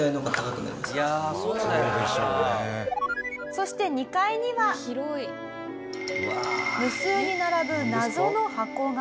そして二階には無数に並ぶ謎の箱が。